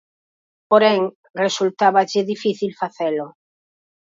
Porén, resultáballe difícil facelo.